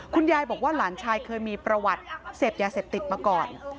คุณยายบอกว่าหลานชายเคยมีประวัติเสพยาเสพติดมาก่อน